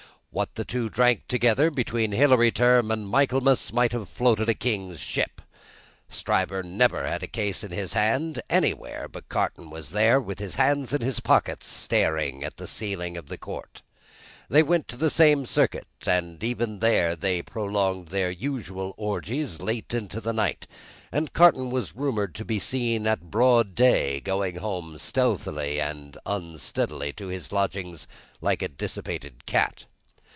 What the two drank together, between Hilary Term and Michaelmas, might have floated a king's ship. Stryver never had a case in hand, anywhere, but Carton was there, with his hands in his pockets, staring at the ceiling of the court; they went the same Circuit, and even there they prolonged their usual orgies late into the night, and Carton was rumoured to be seen at broad day, going home stealthily and unsteadily to his lodgings, like a dissipated cat.